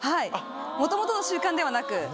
もともとの習慣ではなく。